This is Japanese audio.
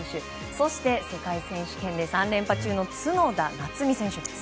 そして、世界選手権で３連覇中の角田夏実選手です。